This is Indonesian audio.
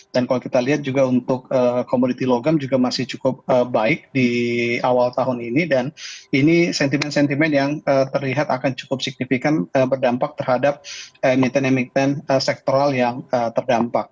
dan ini sentimen sentimen yang terlihat cukup signifikan berdampak terhadap maintenance maintenance sektoral yang terdampak